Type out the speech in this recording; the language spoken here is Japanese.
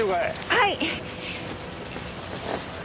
はい。